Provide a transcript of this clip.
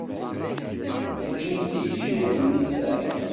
Ǧǧemt-iyi cwiṭ n littseɛ.